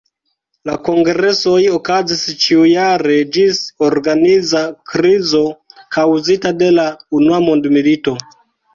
La kongresoj okazis ĉiujare ĝis organiza krizo kaŭzita de la Unua mondmilito.